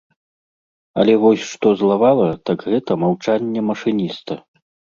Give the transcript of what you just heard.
Але вось што злавала, так гэта маўчанне машыніста.